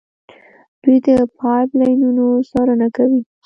دوی د پایپ لاینونو څارنه کوي.